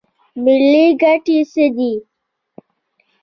ملي ګټې څه دي؟